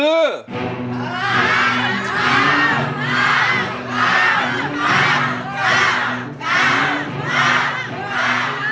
เก่ง